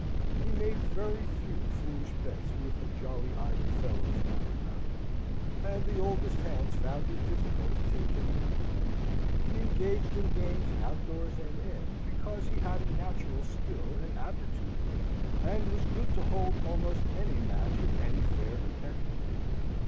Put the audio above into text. He made very few foolish bets with the jolly idle fellows round about him, and the oldest hands found it difficult to take him in. He engaged in games outdoors and in, because he had a natural skill and aptitude for them, and was good to hold almost any match with any fair competitor.